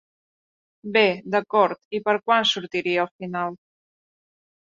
Bé, d'acord, i per quan sortiria al final?